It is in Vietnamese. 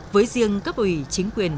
với riêng cấp ủy chính quyền